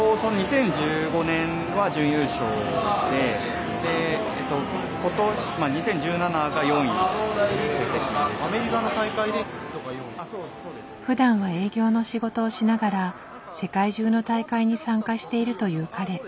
どんな人なんだろう。ふだんは営業の仕事をしながら世界中の大会に参加しているという彼。